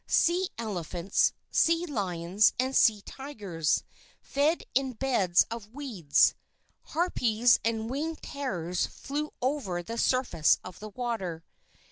Sea elephants, sea lions, and sea tigers, fed in beds of weeds. Harpies and winged terrors flew over the surface of the water.